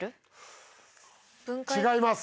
違います。